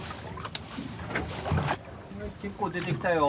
結構出てきたよ！